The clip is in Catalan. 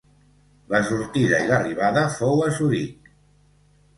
La sortida i l'arribada fou a Zuric.